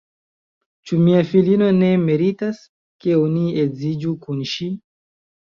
Ĉu mia filino ne meritas, ke oni edziĝu kun ŝi?